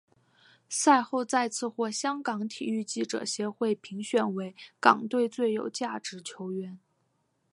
赛后再次获香港体育记者协会评选为港队最有价值球员。